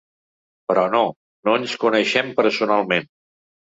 Però no, no ens coneixíem personalment.